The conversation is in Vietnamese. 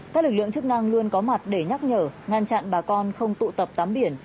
các lực lượng chức năng luôn có mặt để nhắc nhở ngăn chặn bà con không tụ tập tắm biển